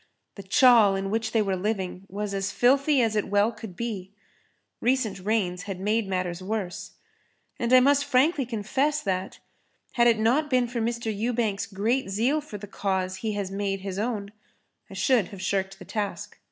The chawl in which they were living was as filthy as it well could be. Recent rains had made matters worse. And I must frankly confess that, had it not been for Mr. Ewbank's great zeal for the cause he has made his own, I should have shirked the task.